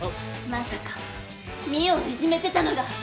まさか澪をいじめてたのが。